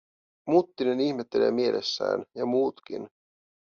Muttinen ihmettelee mielessään, ja muutkin.